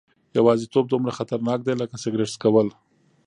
یوازیتوب دومره خطرناک دی لکه سګرټ څکول.